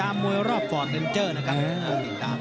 มวยรอบฟอร์ดเนนเจอร์นะครับ